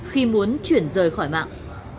khi muốn chuyển rời khỏi mạng